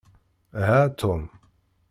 Ha a Tom.